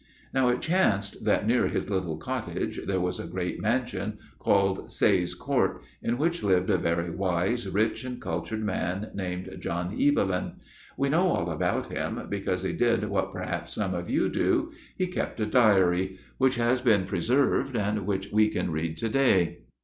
Now it chanced that near his little cottage there was a great mansion called Sayes Court, in which lived a very wise, rich, and cultured man named John Evelyn. We know all about him, because he did what perhaps some of you do: he kept a diary, which has been preserved, and which we can read to day.